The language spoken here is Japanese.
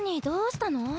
どうしたの？